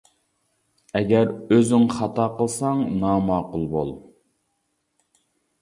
ئەگەر ئۆزۈڭ خاتا قىلساڭ ناماقۇل بول.